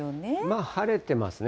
まあ晴れてますね。